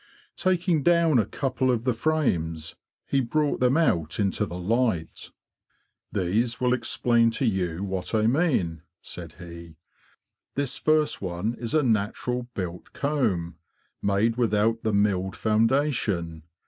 Taking down a couple of the frames, he brought them out into the light. '' These will explain to you what I mean," said he. '' This first one is a natural built comb, made without the milled foundation.